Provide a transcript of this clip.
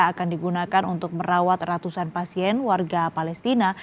akan digunakan untuk merawat ratusan pasien warga palestina